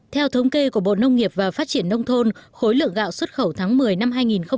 theo thống kê của bộ nông nghiệp và phát triển nông thôn khối lượng gạo xuất khẩu tháng một mươi năm hai nghìn một mươi tám